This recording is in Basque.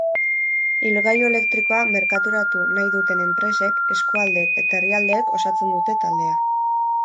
Ibilgailu elektrikoa merkaturatu nahi duten enpresek, eskualdeek eta herrialdeek osatzen dute taldea.